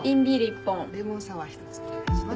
レモンサワー１つお願いします。